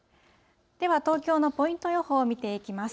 では、東京のポイント予報を見ていきます。